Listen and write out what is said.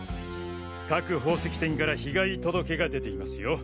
各宝石店から被害届が出ていますよ。